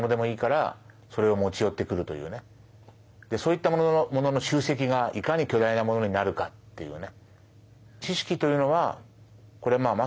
そういったものの集積がいかに巨大なものになるかっていうね。